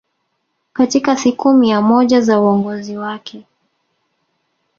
katika siku mia moja za uongozi wake